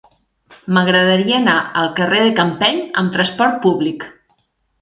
M'agradaria anar al carrer de Campeny amb trasport públic.